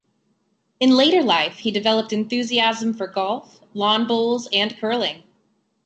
In later life, he developed enthusiasm for golf, lawn bowls and curling.